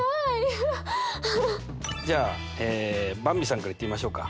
ハハッ！じゃあばんびさんからいってみましょうか。